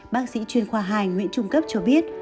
bác sĩ chuyên khoa hai nguyễn trung cấp cho biết